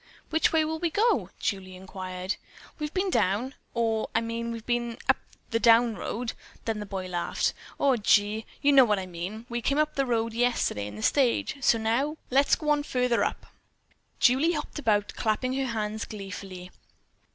"Which way will we go?" Julie inquired. "We've been down or, I mean, we've been up the down road." Then the boy laughed. "Aw, gee! You know what I mean. We came up the road yesterday in the stage; so now, let's go on further up." Julie hopped about, clapping her hands gleefully.